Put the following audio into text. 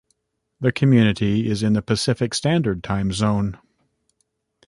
The community is in the Pacific Standard Time zone.